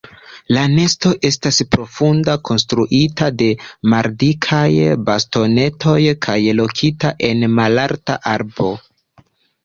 La nesto estas profunda, konstruita de maldikaj bastonetoj kaj lokita en malalta arbo.